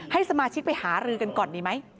ให้สมาชิกไปหารือกันก่อนดีไหม